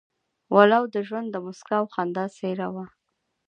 ولو د ژوند د موسکا او خندا څېره وه.